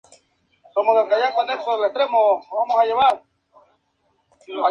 Nacido en Albacete.